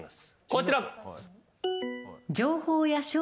こちら。